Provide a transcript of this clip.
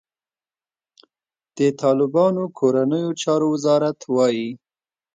د طالبانو کورنیو چارو وزارت وايي،